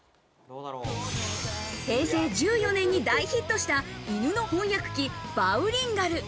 平成１４年に大ヒットした犬の翻訳機バウリンガル。